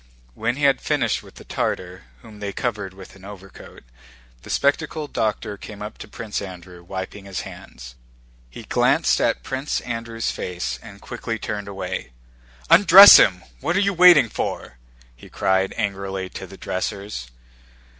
When he had finished with the Tartar, whom they covered with an overcoat, the spectacled doctor came up to Prince Andrew, wiping his hands. He glanced at Prince Andrew's face and quickly turned away. "Undress him! What are you waiting for?" he cried angrily to the dressers.